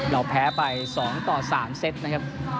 เราแพ้ไป๒ต่อ๓เซตนะครับ